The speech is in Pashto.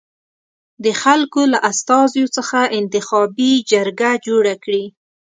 د خلکو له استازیو څخه انتخابي جرګه جوړه کړي.